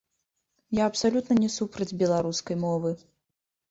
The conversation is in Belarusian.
Я абсалютна не супраць беларускай мовы.